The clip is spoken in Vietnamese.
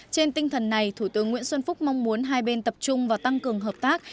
trên tinh thần này thủ tướng nguyễn xuân phúc mong muốn hai bên tập trung và tăng cường hợp tác